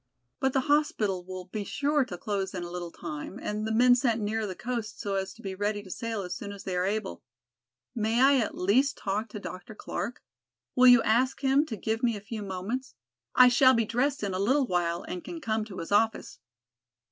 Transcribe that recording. But the hospital will be sure to close in a little time and the men sent nearer the coast so as to be ready to sail as soon as they are able. May I at least talk to Dr. Clark? Will you ask him to give me a few moments? I shall be dressed in a little while and can come to his office."